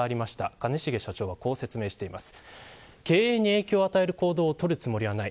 兼重社長はこう説明しています。